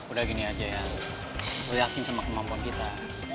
udah gini aja ya lo yakin sama kemampuan kita